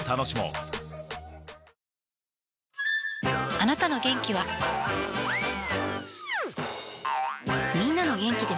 あなたの元気はみんなの元気でもあるから